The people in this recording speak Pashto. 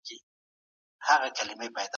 کمپيوټر د شاګردانو ملګری دئ.